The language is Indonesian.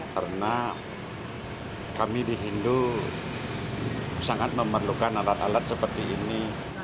karena kami di hindu sangat memerlukan alat alat seperti ini